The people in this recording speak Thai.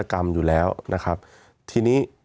มีความรู้สึกว่ามีความรู้สึกว่า